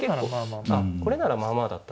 これならまあまあ。